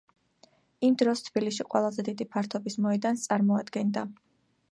იმ დროს თბილისში ყველაზე დიდი ფართობის მოედანს წარმოადგენდა.